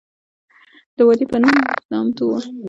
د وادي پنوم نامتو وه.